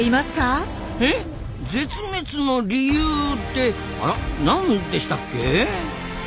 え絶滅の理由ってあら何でしたっけ？